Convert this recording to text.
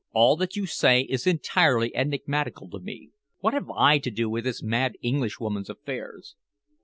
"All that you say is entirely enigmatical to me. What have I to do with this mad Englishwoman's affairs?"